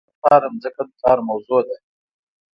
هو د بزګر لپاره ځمکه د کار موضوع ده.